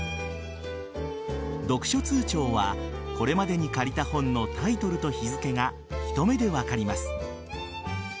読書通帳はこれまでに借りた本のタイトルと日付が一目で分かります。